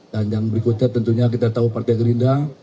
dan yang berikutnya tentunya kita tahu partai gelina